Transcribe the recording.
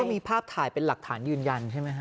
มีภาพถ่ายเป็นหลักฐานยืนยันใช่ไหมฮะ